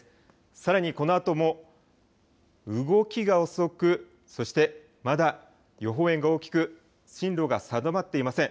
さらにこのあとも動きが遅く、そしてまだ予報円が大きく、進路が定まっていません。